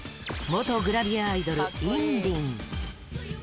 元グラビアアイドル、インリン。